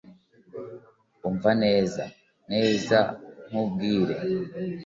umva neza. neza nkubwire